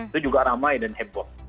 itu juga ramai dan heboh